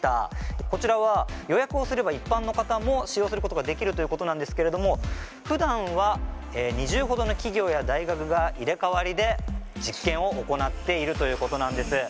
こちらは、予約をすれば一般の方も使用することができるということなんですけれどもふだんは２０程の企業や大学が入れ代わりで実験を行っているということなんです。